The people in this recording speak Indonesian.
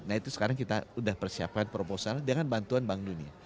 nah itu sekarang kita sudah persiapkan proposal dengan bantuan bank dunia